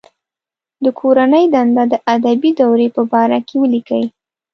د کورنۍ دنده د ادبي دورې په باره کې ولیکئ.